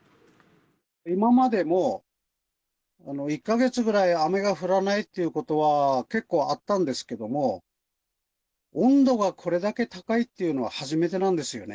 今までも、１か月ぐらい雨が降らないっていうことは結構あったんですけども、温度がこれだけ高いっていうのは、初めてなんですよね。